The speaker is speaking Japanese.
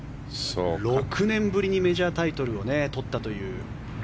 ６年ぶりにメジャータイトルを取ったという。